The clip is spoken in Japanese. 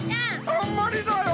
あんまりだよ！